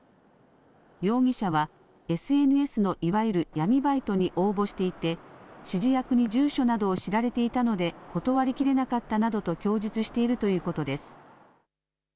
容疑者はＳＮＳのいわゆる闇バイトに応募していて、指示役に住所などを知られていたので断りきれなかったなどと供述しているということです。